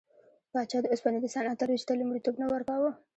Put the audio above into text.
پاچا د اوسپنې د صنعت ترویج ته لومړیتوب نه ورکاوه.